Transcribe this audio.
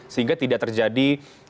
sehingga tidak terjadi